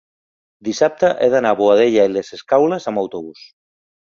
dissabte he d'anar a Boadella i les Escaules amb autobús.